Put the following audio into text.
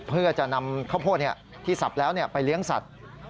เพื่อจะนำข้าวโพดที่สับแล้วไปเลี้ยงสัตว์